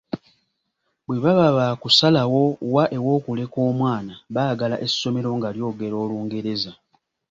Bwe baba baakusalawo wa ew’okuleka omwana baagala essomero nga lyogera Olungereza.